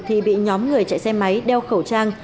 thì bị nhóm người chạy xe máy đeo khẩu trang